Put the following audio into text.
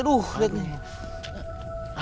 aduh lihat nih